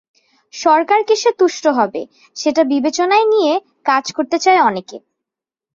সরকার কিসে তুষ্ট হবে, সেটা বিবেচনায় নিয়ে কাজ করতে চায় অনেকে।